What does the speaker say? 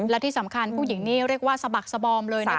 และที่สำคัญผู้หญิงนี่เรียกว่าสะบักสบอมเลยนะคะ